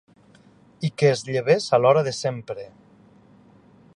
I que es llevés a l'hora de sempre